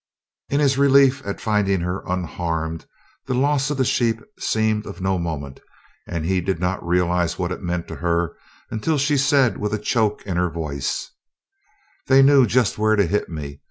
In his relief at finding her unharmed, the loss of the sheep seemed of no moment and he did not realize what it meant to her until she said with a choke in her voice: "They knew just where to hit me.